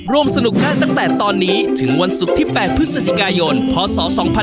ร่วมสนุกได้ตั้งแต่ตอนนี้ถึงวันศุกร์ที่๘พฤศจิกายนพศ๒๕๖๒